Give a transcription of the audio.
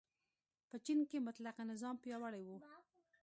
په چین کې مطلقه نظام پیاوړی و.